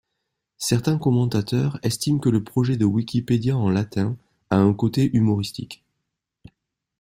Certains commentateurs estiment que le projet de Wikipédia en latin a un côté humoristique.